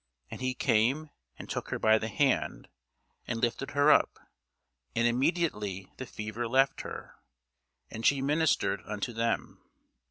And he came and took her by the hand, and lifted her up; and immediately the fever left her, and she ministered unto them.